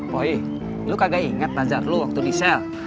poi lu kagak inget pazar lu waktu di sel